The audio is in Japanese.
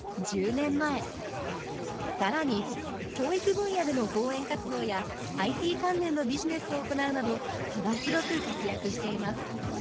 更に教育分野での講演活動やＩＴ関連のビジネスを行うなど幅広く活躍しています